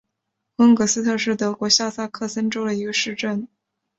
温格斯特是德国下萨克森州的一个市镇。